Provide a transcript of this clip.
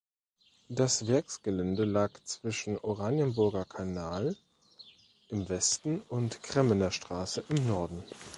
Das Werksgelände lag zwischen Oranienburger Kanal im Westen und Kremmener Straße im Norden.